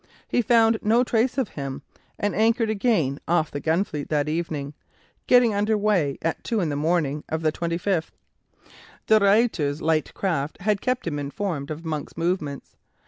He found no trace of him, and anchored again off the Gunfleet that evening, getting under way again at two in the morning of the 25th. De Ruyter's light craft had kept him informed of Monk's movements.